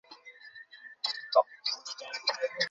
কিন্তু এই সাহসিকতা সবসময় আমার ভিতরে সুপ্তাবস্থায় ছিল।